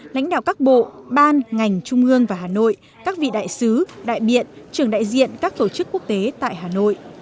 lãnh đạo các bộ ban ngành trung ương và hà nội các vị đại sứ đại biện trưởng đại diện các tổ chức quốc tế tại hà nội